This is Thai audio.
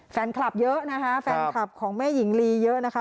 แฟนคลับเยอะนะคะแฟนคลับของแม่หญิงลีเยอะนะคะ